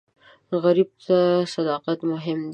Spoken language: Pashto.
غریب ته صداقت مهم وي